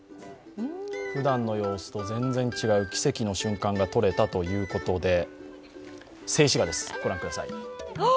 ふだんの様子と全然違う奇跡の瞬間が撮れたということで静止画です、ご覧ください。